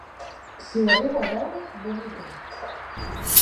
Si ho arribo a veure, vomito!